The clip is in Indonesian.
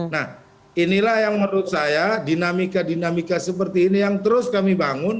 nah inilah yang menurut saya dinamika dinamika seperti ini yang terus kami bangun